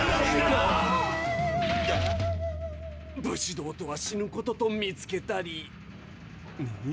武士道とは死ぬことと見つけたり。